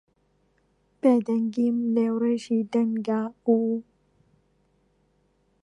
بێدەنگیم لێوڕێژی دەنگە و